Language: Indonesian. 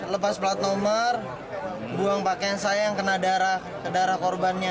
lepas plat nomor buang pakaian saya yang kena darah korbannya